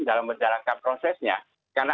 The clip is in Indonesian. dalam menjalankan prosesnya karena